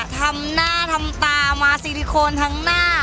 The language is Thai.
ทำหน้าทำตามาซิลิโคนทั้งหน้า